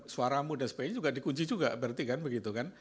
suaramu dan sebagainya juga dikunci juga berarti kan begitu kan